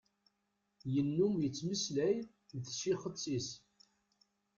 Yennum yettmeslay d tcixet-is.